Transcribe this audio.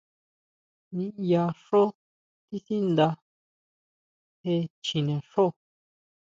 ¿Niyá xjo tisanda je chjine xjo?